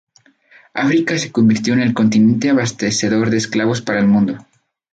África se convirtió en el continente abastecedor de esclavos para el mundo.